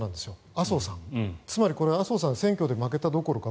麻生さん、つまりこれ麻生さん選挙で負けたどころか